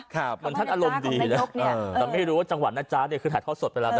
คำว่านะจ๊ะของนายยกเนี่ยแต่ไม่รู้ว่าจังหวัดนะจ๊ะเนี่ยคือถ่ายทอดสดไปแล้วนะ